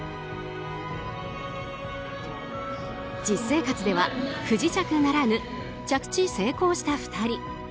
実生活では不時着ならぬ着地成功した２人。